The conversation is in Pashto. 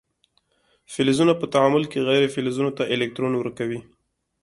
فلزونه په تعامل کې غیر فلزونو ته الکترون ورکوي.